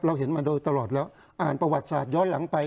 เห็นมาโดยตลอดแล้วอ่านประวัติศาสตร์ย้อนหลังไป